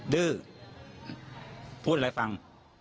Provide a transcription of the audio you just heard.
ดื้อพูดอะไรฟัง